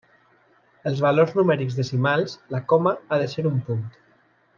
Els valors numèrics decimals, la coma ha de ser un punt.